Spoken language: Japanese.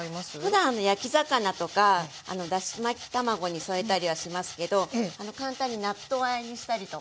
ふだん焼き魚とかだし巻き卵に添えたりはしますけど簡単に納豆あえにしたりとか。え！